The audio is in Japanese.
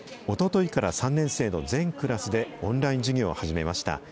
おとといから３年生の全クラスでオンライン授業を始めました。